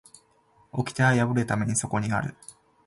掟は破るためにそこにある